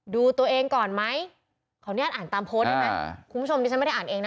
ดูตัวเองก่อนไหมขออนุญาตอ่านตามโพสต์ได้ไหมคุณผู้ชมดิฉันไม่ได้อ่านเองนะ